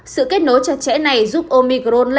sự kết nối chặt chẽ này giúp omicron